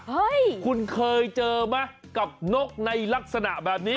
คุณเคยเจอไหมกับนกในลักษณะแบบนี้